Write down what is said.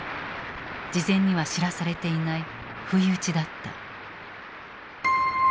事前には知らされていない不意打ちだった。